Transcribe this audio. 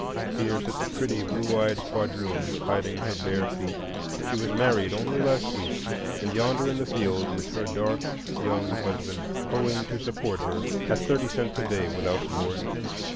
Here sits a pretty blue eyed quadroon hiding her bare feet; she was married only last week, and yonder in the field is her dark young husband, hoeing to support her, at thirty cents a day without board.